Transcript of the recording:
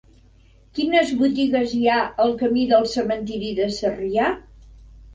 Quines botigues hi ha al camí del Cementiri de Sarrià?